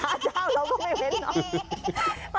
พระอาจารย์เราก็ไม่เว้นน่ะ